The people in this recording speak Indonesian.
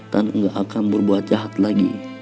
dan gak akan berbuat jahat lagi